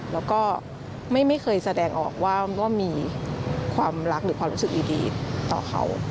แล้วก็ไม่เคยแสดงออกว่ามีความรักหรือความรู้สึกดีต่อเขา